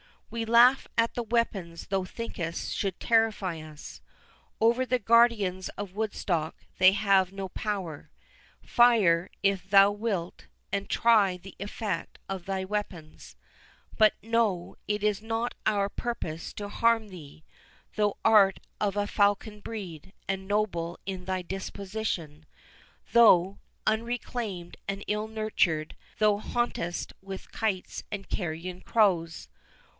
"We laugh at the weapons thou thinkest should terrify us—Over the guardians of Woodstock they have no power. Fire, if thou wilt, and try the effect of thy weapons. But know, it is not our purpose to harm thee—thou art of a falcon breed, and noble in thy disposition, though, unreclaimed and ill nurtured, thou hauntest with kites and carrion crows.